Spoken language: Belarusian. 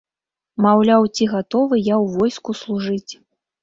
Маўляў, ці гатовы я ў войску служыць.